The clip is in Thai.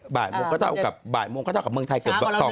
บ่ายโมงก็ต้องเอากับเมืองไทยเกือบสอง